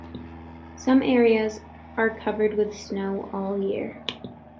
Some areas are covered with snow all year.